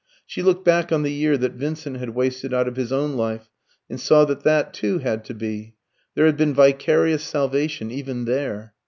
She looked back on the year that Vincent had wasted out of his own life, and saw that that too had to be. There had been vicarious salvation even there.